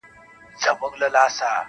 • د ګډون کولو بلنه راکړه -